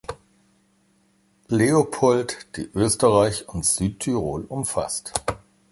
Leopold, die Österreich und Südtirol umfasst.